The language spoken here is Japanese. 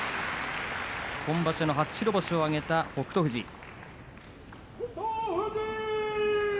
今場所の初白星を挙げた北勝富士。